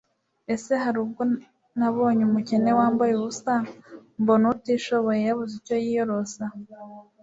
ese hari ubwo nabonye umukene wambaye ubusa, mbona utishoboye yabuze icyo yiyorosa